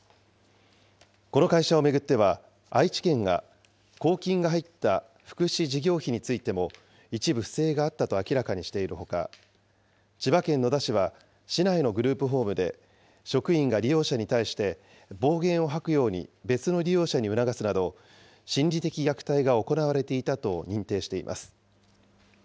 この会社を巡っては、愛知県が、公金が入った福祉事業費についても、一部不正があったと明らかにしているほか、千葉県野田市は市内のグループホームで、職員が利用者に対して、暴言を吐くように別の利用者に促すなど、心理的虐待が行われていたと認定しています。